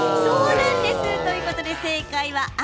ということで正解は、赤。